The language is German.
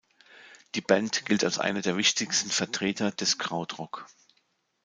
Die Band gilt als einer der wichtigsten Vertreter des Krautrock.